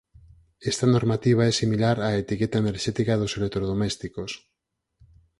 Esta normativa é similar á etiqueta enerxética dos electrodomésticos.